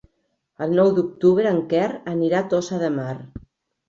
El nou d'octubre en Quer anirà a Tossa de Mar.